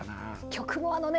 曲もあのね